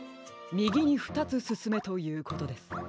みぎにふたつすすめということです。